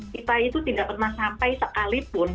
kita itu tidak pernah sampai sekalipun